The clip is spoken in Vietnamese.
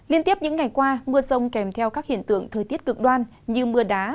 liên tiếp những ngày qua mưa sông kèm theo các hiện tượng thời tiết cực đoan như mưa đá